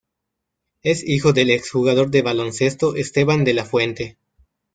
Es hijo del ex jugador de baloncesto Esteban De la Fuente.